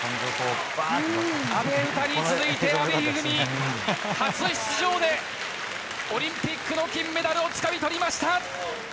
阿部詩に続いて、阿部一二三初出場でオリンピックの金メダルをつかみとりました。